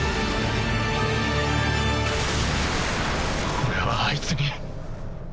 俺はあいつに。